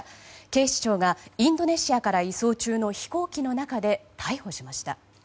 警視庁がインドネシアから移送中の飛行機の中で逮捕しました。